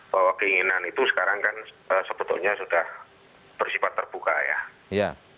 bahwa keinginan itu sekarang kan sebetulnya sudah bersifat terbuka ya